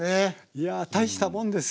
いやたいしたもんです。